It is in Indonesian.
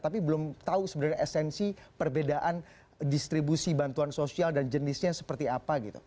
tapi belum tahu sebenarnya esensi perbedaan distribusi bantuan sosial dan jenisnya seperti apa gitu